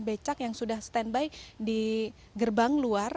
becak yang sudah standby di gerbang luar